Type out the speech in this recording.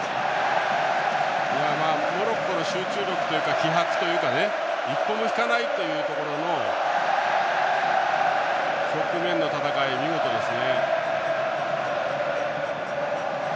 モロッコの集中力というか気迫というか一歩も引かないというところも局面での戦い、見事ですね。